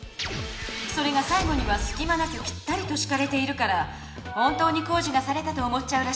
それがさい後にはすきまなくぴったりとしかれているから本当に工事がされたと思っちゃうらしいのよね。